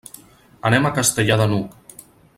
Anem a Castellar de n'Hug.